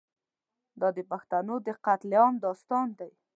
دا د پښتنو د قتل عام داستان دی.